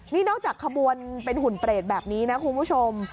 นี่นอกจากขบวนเป็นหุ่นเปรตแบบนี้นะคุณผู้ชม